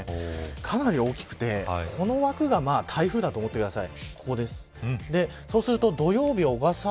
かなり大きくて、この枠が台風だと思ってください。